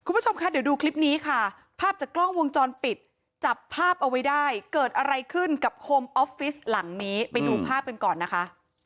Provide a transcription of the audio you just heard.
คุณผู้ชมคะเดี๋ยวดูคลิปนี้ค่ะภาพจากกล้องวงจรปิดจับภาพเอาไว้ได้เกิดอะไรขึ้นกับโฮมออฟฟิศหลังนี้ไปดูภาพกันก่อนนะคะ